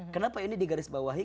kenapa ini digarisbawahi